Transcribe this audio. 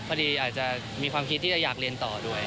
พอดีอาจจะมีความคิดที่จะอยากเรียนต่อด้วย